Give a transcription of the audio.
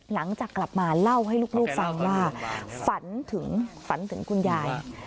หลังจากกลับมาเล่าให้ลูกฟังว่าฝันถึงฝันถึงคุณยาย